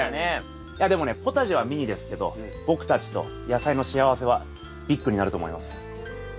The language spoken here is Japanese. いやでもねポタジェはミニですけど僕たちと野菜の幸せはビッグになると思います。